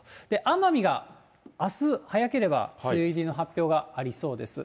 奄美があす、早ければ梅雨入りの発表がありそうです。